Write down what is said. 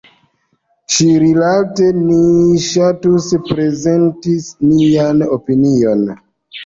Ĉi-rilate ni ŝatus prezenti nian opinion.